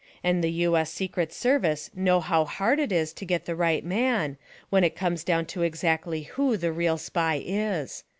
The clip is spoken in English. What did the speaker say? And the U. S. Secret Service know how hard it is to get the right man, when it comes down to exactly who the real Spy is.